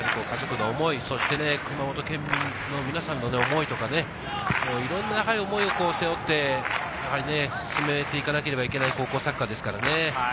家族の思い、そして熊本県民の皆さんの思いとか、いろんな思いを背負って、進めていかなければいけない高校サッカーですからね。